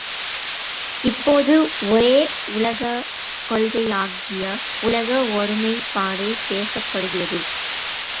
இப்போது, ஒரே உலகக் கொள்கையாகிய உலக ஒருமைப்பாடு பேசப்படுகிறது.